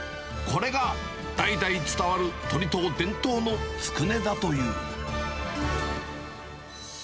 これが、代々伝わる鳥藤伝統のつくねだという。